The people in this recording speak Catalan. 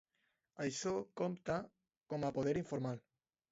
Això compta com a poder informal.